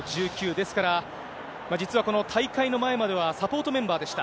ですから、実はこの大会の前まではサポートメンバーでした。